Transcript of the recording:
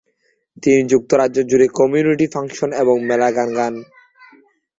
তিনি যুক্তরাজ্য জুড়ে কমিউনিটি ফাংশন এবং মেলায় গান গান।